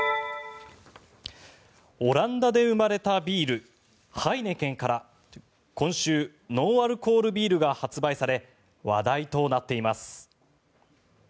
オランダで生まれたビールハイネケンから今週、ノンアルコールビールが発売され話題となっています。